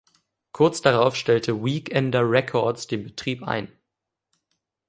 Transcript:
Kurz darauf stellte Weekender Records den Betrieb ein.